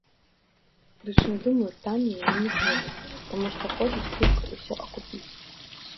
Прычым, думаю, танней яны не зробяць, таму што хочуць хутка ўсё акупіць.